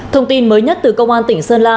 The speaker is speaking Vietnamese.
thông tin mới nhất từ công an tỉnh sơn la